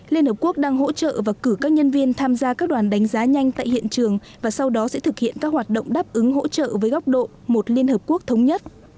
liên hợp quốc đang hỗ trợ và cử các nhân viên tham gia các đoàn đánh giá nhanh tại hiện trường và sau đó sẽ thực hiện các hoạt động đáp ứng hỗ trợ với góc độ một liên hợp quốc thống nhất